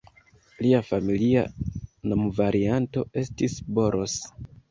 Lia familia nomvarianto estis "Boros".